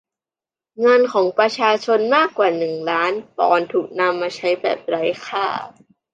เงินของประชาชนมากกว่าหนื่นล้านปอนด์ถูกนำมาใช้แบบไร้ค่า